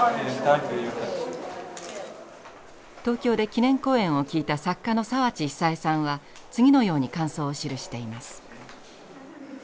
東京で記念講演を聴いた作家の澤地久枝さんは次のように感想を記しています。